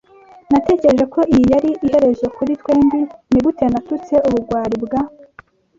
Natekereje ko iyi yari iherezo kuri twembi. Nigute natutse ubugwari bwa